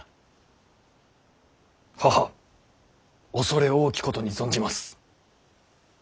畏れ多きことに存じます。